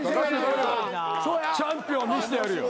チャンピオン見せてやるよ